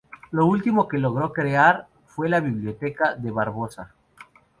Lo último que logró crear fue la Biblioteca de Barbosa.